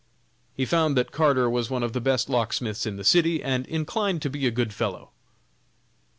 He found that Carter was one of the best locksmiths in the city, and inclined to be a good fellow.